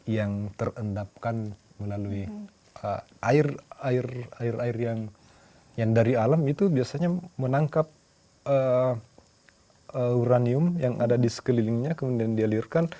yang terendapkan melalui air air yang dari alam itu biasanya menangkap uranium yang ada di sekelilingnya kemudian dialirkan